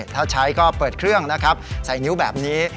ถ้าใช้ก็เปิดเครื่องนะครับใส่นิ้วแบบนี้